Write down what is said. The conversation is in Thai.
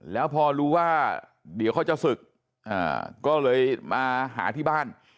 แล้วพอรู้ว่าเดี๋ยวเขาจะศึกก็เลยมาหาที่บ้าน